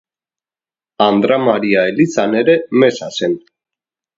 Andra Maria elizan ere meza zen.